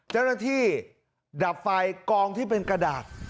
เจ้าหน้าที่ดับไฟกองที่เป็นกระดาษ